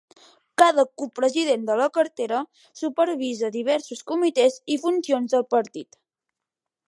Cada copresident de cartera supervisa diversos comitès i funcions del partit.